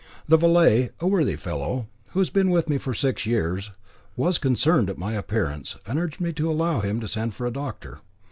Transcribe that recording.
The valet a worthy fellow, who has been with me for six years was concerned at my appearance, and urged me to allow him to send for a doctor.